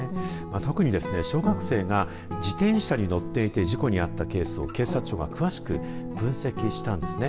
特に小学生が自転車に乗っていて事故にあったケースを警察庁が詳しく分析したんですね。